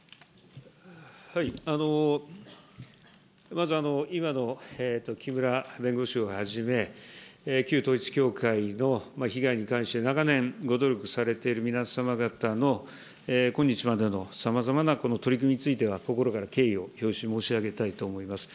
まず、今の木村弁護士をはじめ、旧統一教会の被害に関して、長年ご努力されている皆様方の、今日までのさまざまな取り組みについては、心から敬意を表し申し上げたいと思います。